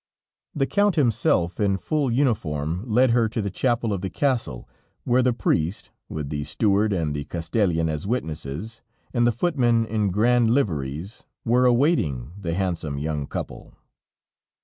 The Count himself, in full uniform, led her to the chapel of the castle, where the priest, with the steward and the castellan as witnesses, and the footmen in grand liveries, were awaiting the handsome young couple.